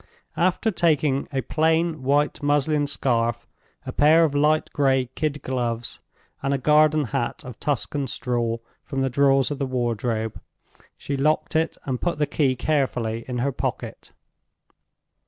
After taking a plain white muslin scarf, a pair of light gray kid gloves, and a garden hat of Tuscan straw, from the drawers of the wardrobe, she locked it, and put the key carefully in her pocket.